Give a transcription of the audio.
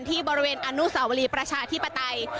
ที่บริเวณอนุสาวรีประชาธิปไตย